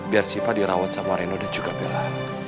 biar siva dirawat sama reno dan juga bela